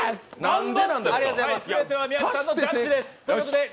すべては宮地さんのジャッジです。